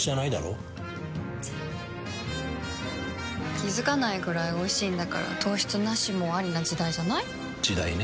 気付かないくらいおいしいんだから糖質ナシもアリな時代じゃない？時代ね。